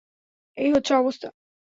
এই হচ্ছে অবস্থা।